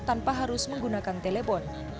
untuk menggunakan telepon